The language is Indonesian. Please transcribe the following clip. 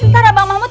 entara bang mahmud